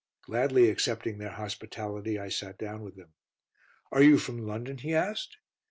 Gladly accepting their hospitality, I sat down with them. "Are you from London?" he asked.